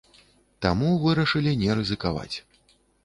Таму вырашылі не рызыкаваць.